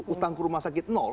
utang ke rumah sakit